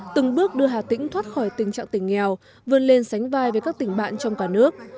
từng bước đưa hà tĩnh thoát khỏi tình trạng tỉnh nghèo vươn lên sánh vai với các tỉnh bạn trong cả nước